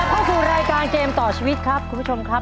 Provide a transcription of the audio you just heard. เข้าสู่รายการเกมต่อชีวิตครับคุณผู้ชมครับ